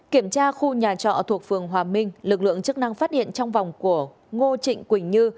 kiểm tra khu nhà trọ thuộc phường hòa minh lực lượng chức năng phát hiện trong vòng của ngô trịnh quỳnh như